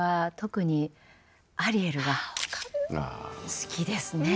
好きですね。